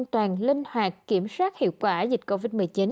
bằng linh hoạt kiểm soát hiệu quả dịch covid một mươi chín